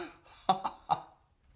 ハハハ！